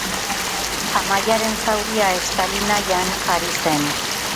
Amaiaren zauria estali nahian ari zen.